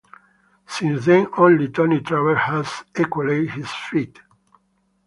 Since then, only Tony Trabert has equalled his feat.